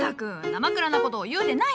なまくらな事を言うでない！